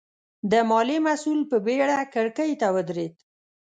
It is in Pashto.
د ماليې مسوول په بېړه کړکۍ ته ودرېد.